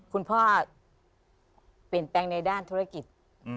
คุณพ่อเปลี่ยนแปลงในด้านธุรกิจ